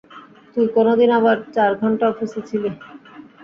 তুই কোনদিন আবার চার ঘন্টা অফিসে ছিলি।